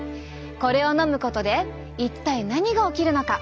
これをのむことで一体何が起きるのか。